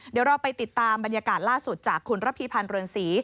เดี๋ยวเราไปติดตามบรรยากาศล่าสุดจากคุณระพีพันธ์เรือนศรี